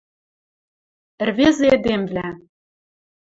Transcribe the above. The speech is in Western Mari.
— Ӹрвезӹ эдемвлӓ